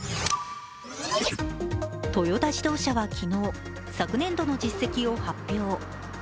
トヨタ自動車は昨日、昨年度の実績を発表。